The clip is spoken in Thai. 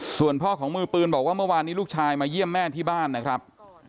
ส่วนพ่อของมือปืนบอกว่าเมื่อวานนี้ลูกชายมาเยี่ยมแม่ที่บ้านนะครับ